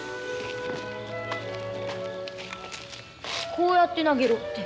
こうやって投げろって。